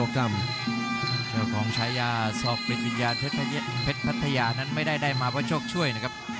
เจ้าของชายาศปริศริชยาพฤทธาญานั้นไม่ได้ดัยมาพระโชคช่วยนะครับ